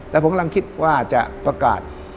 และผมกำลังคิดว่าจะประกาศ